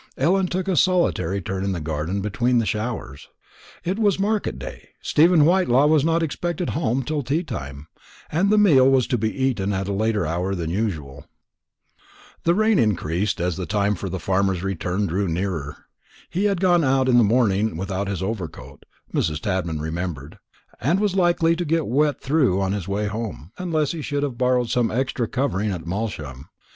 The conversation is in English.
Ellen took a solitary turn in the garden between the showers. It was market day; Stephen Whitelaw was not expected home till tea time, and the meal was to be eaten at a later hour than usual. The rain increased as the time for the farmer's return drew nearer. He had gone out in the morning without his overcoat, Mrs. Tadman remembered, and was likely to get wet through on his way home, unless he should have borrowed some extra covering at Malsham.